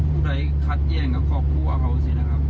ก็ได้คัดแย่งกับครอบครัวเขาสินะครับ